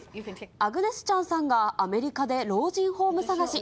アグネス・チャンさんがアメリカで老人ホーム探し。